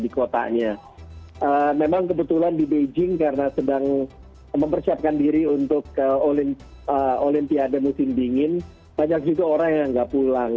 karena sedang mempersiapkan diri untuk olimpiade musim dingin banyak juga orang yang nggak pulang